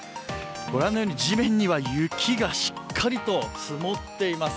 ご覧のように地面には雪がしっかりと積もっています。